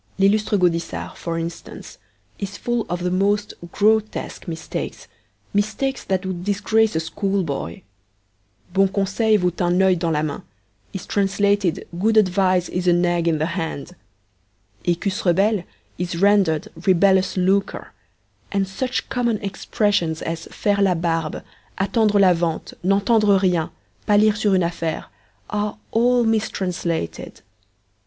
L'lllustre Gaudissart, for instance, is full of the most grotesque mistakes, mistakes that would disgrace a schoolboy. 'Bon conseil vaut un oeil dans la main' is translated 'Good advice is an egg in the hand'! 'Ecus rebelles' is rendered 'rebellious lucre,' and such common expressions as 'faire la barbe,' 'attendre la vente,' 'n'entendre rien,' palir sur une affaire,' are all mistranslated.